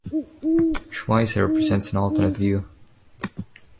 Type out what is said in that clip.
Schweizer presents an alternate view.